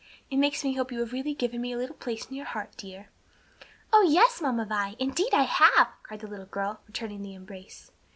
"It makes me hope you have really given me a little place in your heart, dear." "Oh, yes, Mamma Vi, indeed I have!" cried the little girl, returning the embrace.